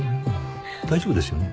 大丈夫ですよね？